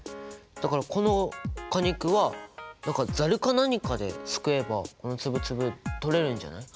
だからこの果肉はざるか何かですくえばこのつぶつぶ取れるんじゃない？